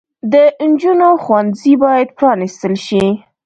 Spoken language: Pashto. د انجونو ښوونځي بايد پرانستل شي